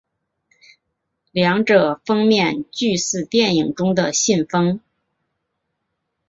两者封面俱似电影中的信封。